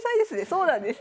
そうなんです。